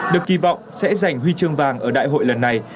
được kỳ vọng sẽ giành huy chương vàng ở đại hội lần này